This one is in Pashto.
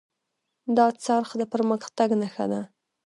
دا څرخ د پرمختګ نښه ده.